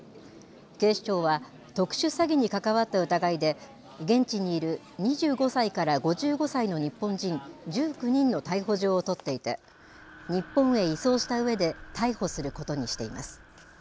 警視庁は、特殊詐欺に関わった疑いで、現地にいる２５歳から５５歳の日本人１９人の逮捕状を取っていて、日本へ移送したうえで、逮捕することにしています。